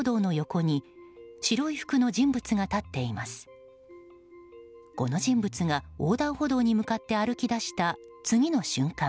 この人物が横断歩道に向かって歩き出した次の瞬間。